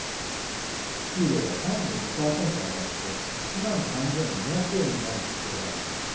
給料が３２％上がって１万３２００円になる必要があります。